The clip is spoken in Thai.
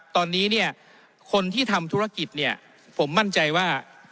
ตอนนี้เนี่ยคนที่ทำธุรกิจเนี่ยผมมั่นใจว่า